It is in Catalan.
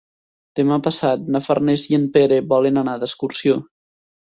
Demà passat na Farners i en Pere volen anar d'excursió.